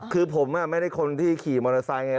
คือผมไม่ได้คนที่ขี่มอเตอร์ไซค์ไง